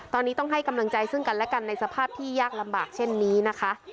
ตอนนี้ต้องให้กำลังใจซึ่งกันและกันในสภาพที่ยากลำบากเช่นนี้นะคะ